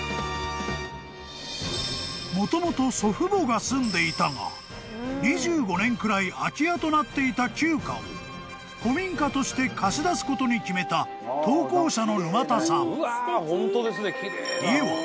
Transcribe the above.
［もともと祖父母が住んでいたが２５年くらい空き家となっていた旧家を古民家として貸し出すことに決めた投稿者の沼田さん］